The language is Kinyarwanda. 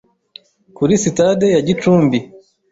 kuri Sitade ya Gicumbi